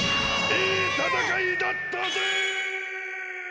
いいたたかいだったぜ！